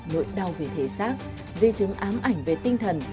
nỗi đau vì thế xác di chứng ám ảnh về tinh thần